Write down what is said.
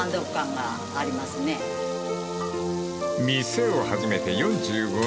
［店を始めて４５年］